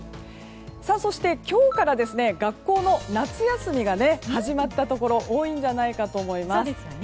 そして、今日から学校の夏休みが始まったところ多いんじゃないかと思います。